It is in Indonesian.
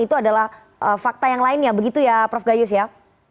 itu adalah fakta yang lainnya begitu ya prof gayus ya